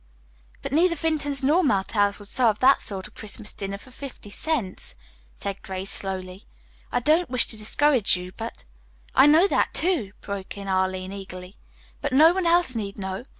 "But neither Vinton's nor Martell's would serve that sort of Christmas dinner for fifty cents," said Grace slowly. "I don't wish to discourage you, but " "I know that, too," broke in Arline eagerly, "but no one else need know.